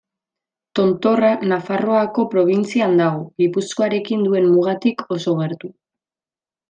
Tontorra Nafarroako probintzian dago, Gipuzkoarekin duen mugatik oso gertu.